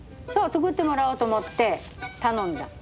そう作ってもらおうと思って頼んだ。